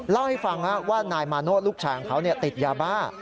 เล่าให้ฟังว่านายมาโนธลูกชายของเขาติดยาบ้า